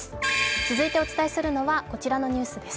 続いてお伝えするのはこちらのニュースです。